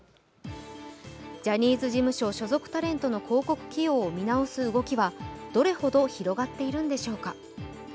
ジャニーズ事務所所属タレントの広告起用を見直す動きはどれほど広がっているんでしょうか。